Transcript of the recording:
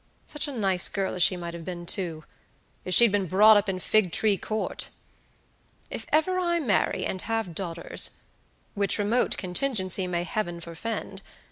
Such a nice girl as she might have been, too, if she'd been brought up in Figtree Court! If ever I marry, and have daughters (which remote contingency may Heaven forefend!)